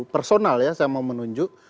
personal ya saya mau menunjuk